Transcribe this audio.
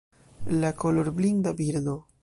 La kolorblinda birdo